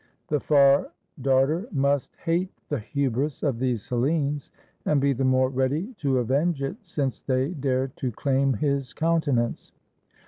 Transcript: The Far Darter must hate the u/Spt? of these Hellenes, and be the more ready to avenge it since they dared to claim his countenance.